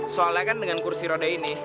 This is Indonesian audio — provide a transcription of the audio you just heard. soalnya kan dengan kursi roda ini